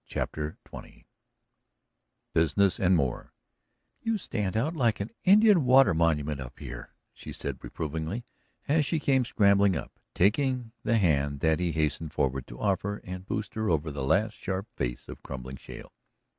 CHAPTER XX BUSINESS, AND MORE "You stand out like an Indian water monument up here," she said reprovingly, as she came scrambling up, taking the hand that he hastened forward to offer and boost her over the last sharp face of crumbling shale.